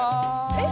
えっ？